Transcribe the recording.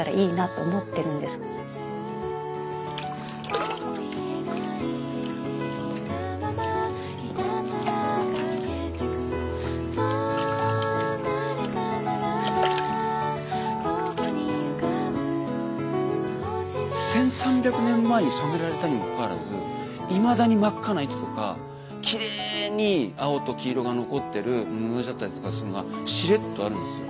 で昔から１，３００年前に染められたにもかかわらずいまだに真っ赤な糸とかきれいに青と黄色が残ってる布地だったりとかそういうのがしれっとあるんですよ。